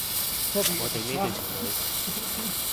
我哋呢對情侣